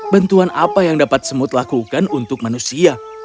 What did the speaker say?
bantuan apa yang dapat semut lakukan untuk manusia